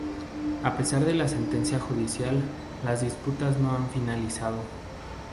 A pesar de la sentencia judicial, las disputas no han finalizado.